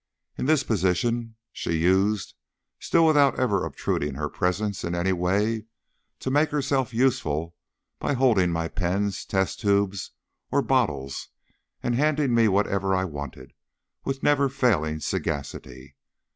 In this position she used, still without ever obtruding her presence in any way, to make herself very useful by holding my pens, test tubes, or bottles, and handing me whatever I wanted, with never failing sagacity.